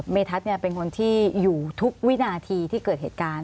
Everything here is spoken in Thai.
เมทัศน์เป็นคนที่อยู่ทุกวินาทีที่เกิดเหตุการณ์